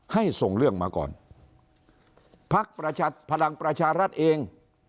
ให้ส่งเรื่องมาก่อนภักดิ์ประชาธิ์ภดังประชารัฐเอง